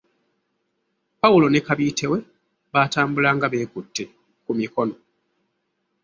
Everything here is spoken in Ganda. Pawulo ne kabiite we baatambulanga beekutte ku mikono.